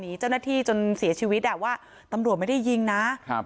เจ้าหน้าที่จนเสียชีวิตอ่ะว่าตำรวจไม่ได้ยิงนะครับ